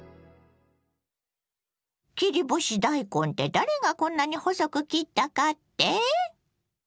切り干し大根って誰がこんなに細く切ったかって？